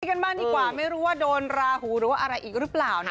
กันบ้างดีกว่าไม่รู้ว่าโดนราหูหรือว่าอะไรอีกหรือเปล่า